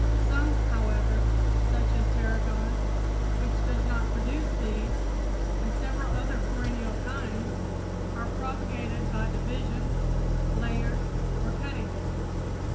Some, however, such as tarragon, which does not produce seed, and several other perennial kinds, are propagated by division, layers, or cuttings.